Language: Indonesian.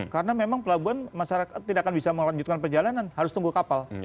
karena memang pelabuhan masyarakat tidak akan bisa melanjutkan perjalanan harus tunggu kapal